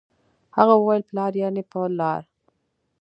هغه وويل پلار يعنې په لار